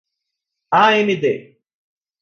amd